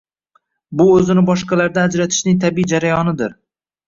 Bu o‘zini boshqalardan ajratishning tabiiy jarayonidir.